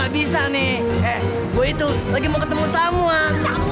bersih mana sih